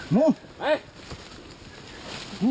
โม่ไป